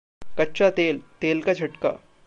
कच्चा तेलः तेल का झटका